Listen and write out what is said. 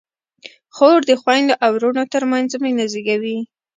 خور د خویندو او وروڼو ترمنځ مینه زېږوي.